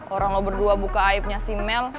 orang lo berdua buka aibnya si mel